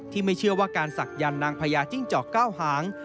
ไม่เชื่อว่าการศักยันต์นางพญาจิ้งจอกเก้าหาง